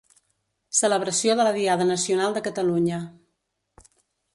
Celebració de la diada Nacional de Catalunya.